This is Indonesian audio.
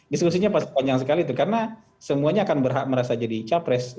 diskusinya panjang sekali itu karena semuanya akan berhak merasa jadi capres